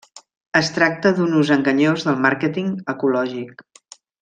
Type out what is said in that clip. Es tracta d'un ús enganyós del màrqueting ecològic.